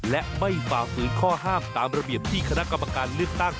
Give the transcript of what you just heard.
และไม่ฝ่าฝืนข้อห้ามตามระเบียบที่คณะกรรมการเลือกตั้ง